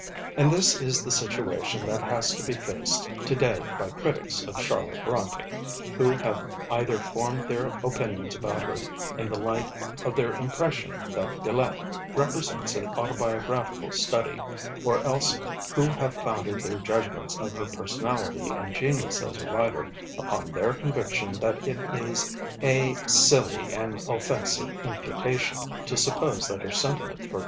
And this is the situation that has to be faced to day by critics of Charlotte Brontë, who have either formed their opinions about her in the light of their impression that Villette represents an autobiographical study, or else who have founded their judgments of her personality and genius as a writer upon their conviction that it is a 'silly and offensive imputation' to suppose that her sentiment for M.